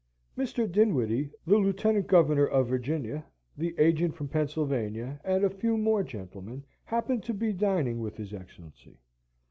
Mr. Dinwiddie, the Lieutenant Governor of Virginia, the Agent from Pennsylvania, and a few more gentlemen, happened to be dining with his Excellency.